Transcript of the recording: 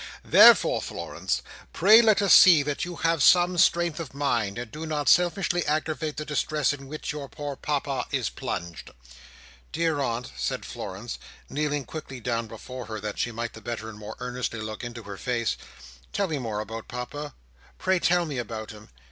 "Therefore, Florence, pray let us see that you have some strength of mind, and do not selfishly aggravate the distress in which your poor Papa is plunged." "Dear aunt!" said Florence, kneeling quickly down before her, that she might the better and more earnestly look into her face. "Tell me more about Papa. Pray tell me about him!